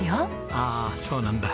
ああそうなんだ。